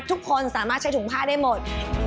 ทุกคนสามารถใช้ถุงผ้าได้หมด